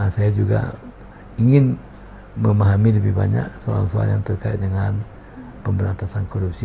saya juga ingin memahami lebih banyak soal soal yang terkait dengan pemberantasan korupsi